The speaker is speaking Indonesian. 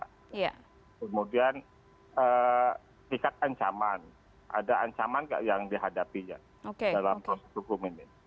kemudian tingkat ancaman ada ancaman nggak yang dihadapinya dalam proses hukum ini